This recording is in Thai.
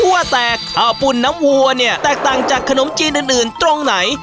ว่าแต่ข้าวปุ่นน้ำวัวเนี่ยแตกต่างจากขนมจีนอื่นตรงไหน